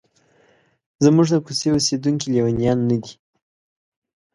زموږ د کوڅې اوسیدونکي لیونیان نه دي.